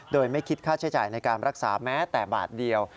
โดยไม่คิดค่าใช้จ่ายในการรักษาแม้แต่บาทเดียว